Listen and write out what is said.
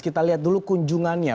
kita lihat dulu kunjungannya